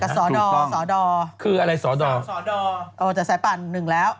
กับสอดอร์สอดอร์คืออะไรสอดอร์สอดอร์โอ้ยแต่สายป่านหนึ่งแล้ว